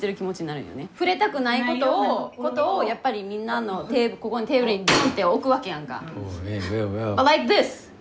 触れたくないことをやっぱりみんなのここのテーブルにドンって置くわけやんか。